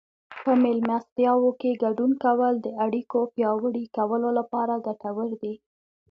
په مېلمستیاوو کې ګډون کول د اړیکو پیاوړي کولو لپاره ګټور دي.